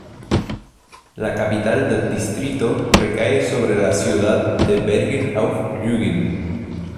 La capital del distrito recae sobre la ciudad de Bergen auf Rügen.